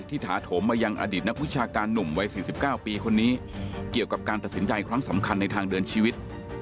ที่ถาโถมมายังอดิตนักวิชาการหนุ่มวัยสี่สิบเก้าปีคนนี้เกี่ยวกับการตัดสินใจความสำคัญในทางเดือนชีวิต